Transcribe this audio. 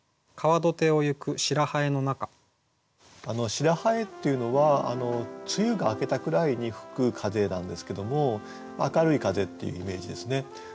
「白南風」っていうのは梅雨が明けたくらいに吹く風なんですけども明るい風っていうイメージですね。